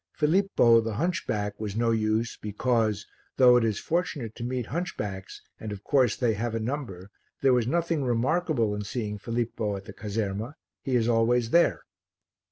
Filippo, the hunchback, was no use because, though it is fortunate to meet hunchbacks, and of course they have a number, there was nothing remarkable in seeing Filippo at the caserma he is always there.